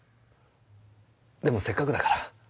でもせっかくだから。